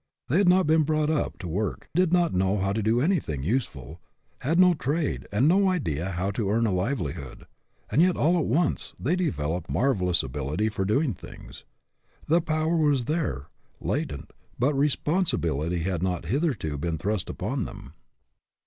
They had not been brought up to work, did not know how to do anything useful, had no trade, and no idea how to earn a livelihood; and yet all at once they developed marvelous ability for doing things. The power was there, latent ; but responsibility had not hitherto been thrust upon them.